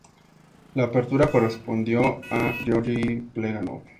La apertura correspondió a Gueorgui Plejánov.